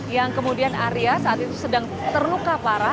yang kemudian arya saat itu sedang terluka parah